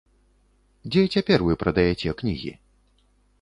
Дзе цяпер вы прадаяце кнігі?